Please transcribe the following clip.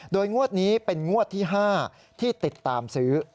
โดยงวดนี้เป็นงวดที่๕ที่ติดตามซื้อ